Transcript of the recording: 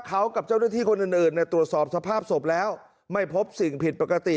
เขากับเจ้าหน้าที่คนอื่นตรวจสอบสภาพศพแล้วไม่พบสิ่งผิดปกติ